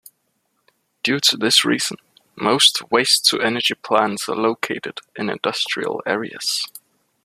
Due to this reason, most waste-to-energy plants are located in industrial areas.